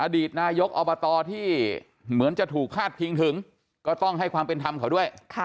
อดีตนายกอบตที่เหมือนจะถูกพาดพิงถึงก็ต้องให้ความเป็นธรรมเขาด้วย